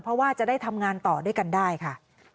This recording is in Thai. เพราะว่าจะได้ทำงานต่อด้วยกันได้ค่ะ